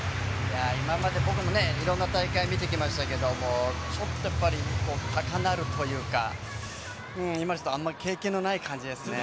今まで僕もいろんな大会を見てきましたがちょっと高鳴るというかあまり経験がない感じですね。